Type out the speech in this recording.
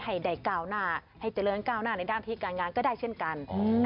ให้ได้ก้าวหน้าให้เจริญก้าวหน้าในด้านที่การงานก็ได้เช่นกัน